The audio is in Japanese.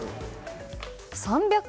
３００